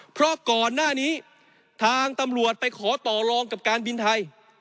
เพราะก่อนหน้านี้ทางตำรวจไปขอต่อรองกับการบินไทย